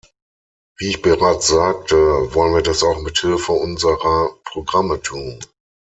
Wie ich bereits sagte, wollen wir das auch mit Hilfe unserer Programme tun.